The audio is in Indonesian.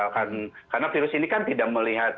karena virus ini kan tidak melihat